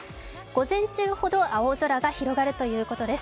午前中ほど青空が広がるということです。